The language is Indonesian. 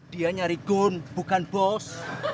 dia nyari gon bukan bos